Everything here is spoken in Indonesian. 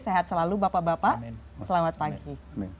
sehat selalu bapak bapak selamat pagi